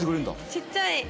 ちっちゃい。